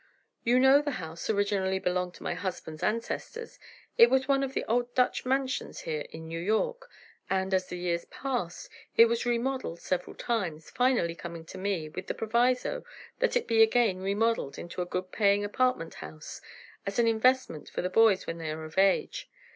"You know the house originally belonged to my husband's ancestors, it was one of the old Dutch mansions here in New York, and as the years passed, it was remodeled several times, finally coming to me, with the proviso that it be again remodeled into a good paying apartment house, as an investment for the boys when they are of age.